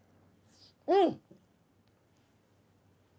うん！